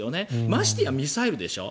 ましてやミサイルでしょ。